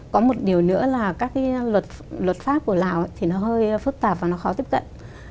có một điều nữa là các cái luật pháp của lào thì nó hơi phức tạp và nó khó tiếp cận